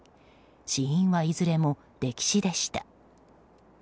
死因はいずれも溺死でした。